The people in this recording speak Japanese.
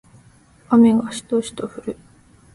雨がしとしと降る